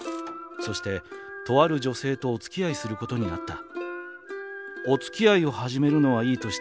そしてとある女性とお付き合いすることになった」。